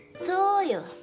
そうよ。